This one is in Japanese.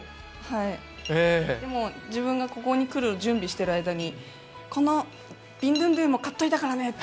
でも、自分がここに来る準備をしている間にこのビンドゥンドゥンも買っておいたからね！